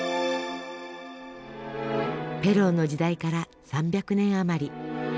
ペローの時代から３００年余り。